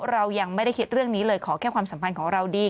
เรายังไม่ได้คิดเรื่องนี้เลยขอแค่ความสัมพันธ์ของเราดี